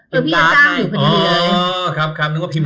ต้องก็พิมพ์ขายรับได้ไหม